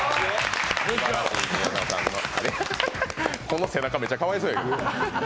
この背中めちゃかわいそう。